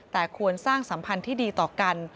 แต่ควรสร้างสัมพันธ์ที่ดีต่อกัน